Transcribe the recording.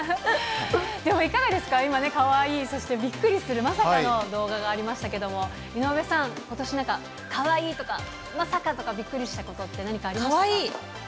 でもいかがですか、かわいい、そしてびっくりするまさかの動画がありましたけども、井上さん、ことし、なんかかわいいとか、まさかとか、びっくりしたことっかわいい？